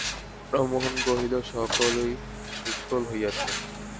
রামমোহন কহিল, সকলই নিষ্ফল হইয়াছে।